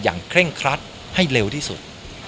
เคร่งครัดให้เร็วที่สุด